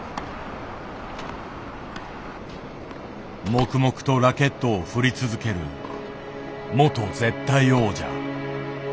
黙々とラケットを振り続ける元・絶対王者。